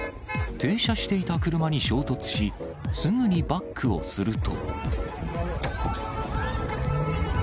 停車していた車に衝突し、すぐにバックをすると。